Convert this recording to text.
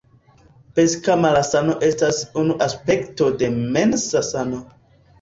Psika malsano estas unu aspekto de mensa sano.